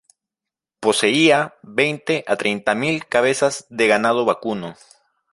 Poseía veinte a treinta mil cabezas de ganado vacuno.